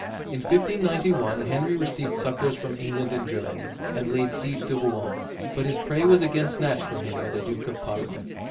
In 1591 Henry received succors from England and Germany, and laid siege to Rouen; but his prey was again snatched from him by the Duke of Parma.